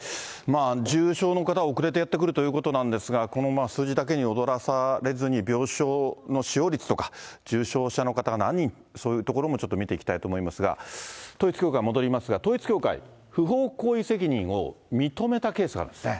重症の方、遅れてやってくるということなんですが、この数字だけに踊らされずに、病床の使用率とか、重症者の方が何人、そういうところもちょっと見ていきたいと思いますが、統一教会戻りますが、統一教会、不法行為責任を認めたケースがあるんですね。